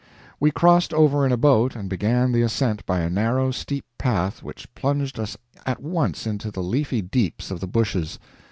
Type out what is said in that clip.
We crossed over in a boat and began the ascent by a narrow, steep path which plunged us at once into the leafy deeps of the bushes.